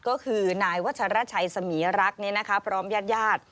ก็คือนายวัชราชัยสมีรักษ์เนี่ยนะคะพร้อมญาติญาติ